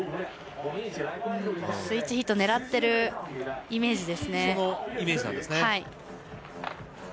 スイッチヒットを狙っているイメージです。